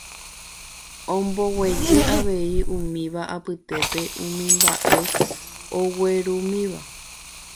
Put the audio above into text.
omboguejy avei umíva apytépe umi mba'e oguerumíva.